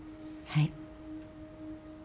はい。